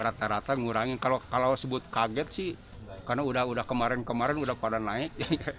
rata rata ngurangin kalau sebut kaget sih karena udah kemarin kemarin udah pada naik